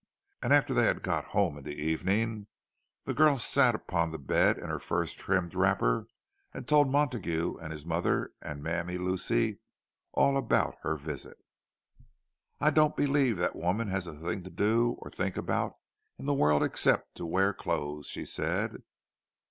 And after they had got home in the evening, the girl sat upon the bed in her fur trimmed wrapper, and told Montague and his mother and Mammy Lucy all about her visit. "I don't believe that woman has a thing to do or to think about in the world except to wear clothes!" she said.